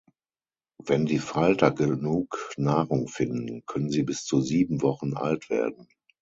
Wenn die Falter genug Nahrung finden, können sie bis zu sieben Wochen alt werden.